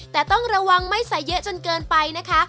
แต่ต้องระวังไม่ใส่เยอะจนเกินไปนะคะ